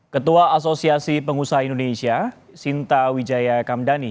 ketua asosiasi pengusaha indonesia sinta wijaya kamdani